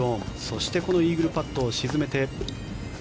そしてイーグルパットを沈めて。